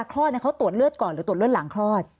คลอดเขาตรวจเลือดก่อนหรือตรวจเลือดหลังคลอด